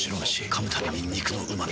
噛むたびに肉のうま味。